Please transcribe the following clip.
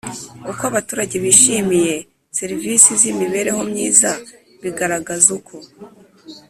Uko abaturage bishimiye serivisi z imibereho myiza bigaragaza uko